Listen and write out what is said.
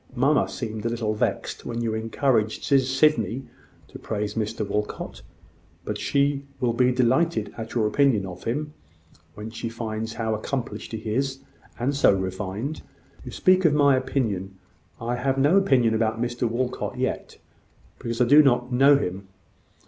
Mamma seemed a little vexed when you encouraged Sydney to praise Mr Walcot: but she will be delighted at your opinion of him, when she finds how accomplished he is and so refined!" "You speak of my opinion. I have no opinion about Mr Walcot yet, because I do not know him.